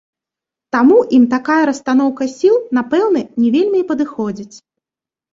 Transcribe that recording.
Таму ім такая расстаноўка сіл, напэўна, не вельмі і падыходзіць.